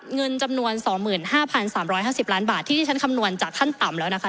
เงินจำนวน๒๕๓๕๐ล้านบาทที่ที่ฉันคำนวณจากขั้นต่ำแล้วนะคะ